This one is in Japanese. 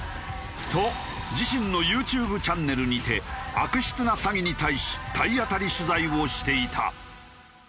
と自身のＹｏｕＴｕｂｅチャンネルにて悪質な詐欺に対し体当たり取材をしていた。